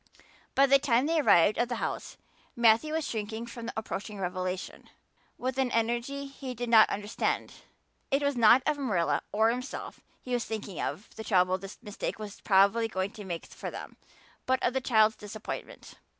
By the time they arrived at the house Matthew was shrinking from the approaching revelation with an energy he did not understand. It was not of Marilla or himself he was thinking or of the trouble this mistake was probably going to make for them, but of the child's disappointment.